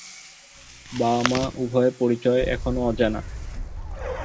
বাবা-মা উভয়ের পরিচয় এখনও অজানা।